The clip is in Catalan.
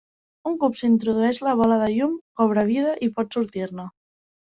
Un cop s'introdueix la bola de llum cobra vida i pot sortir-ne.